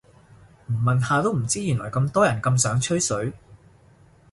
唔問下都唔知原來咁多人咁想吹水